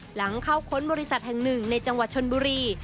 หลังเข้าค้นบริษัทแห่งหนึ่งในจังหวัดชนบุรี